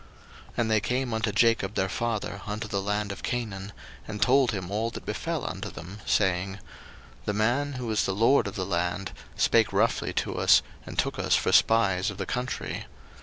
01:042:029 And they came unto Jacob their father unto the land of Canaan, and told him all that befell unto them; saying, 01:042:030 The man, who is the lord of the land, spake roughly to us, and took us for spies of the country.